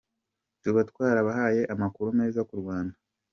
Tuba twarabahaye amakuru meza ku Rwanda.